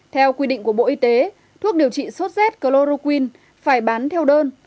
theo quy định của bộ y tế thuốc điều trị sốt z chloroquine phải bán theo đơn